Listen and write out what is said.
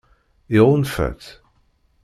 Iɣunfa-tt?